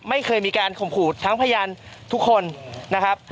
ไม่เคยมีการข่มขู่ทั้งพยานทุกคนนะครับ